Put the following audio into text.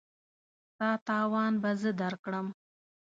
ستا تاوان به زه درکړم.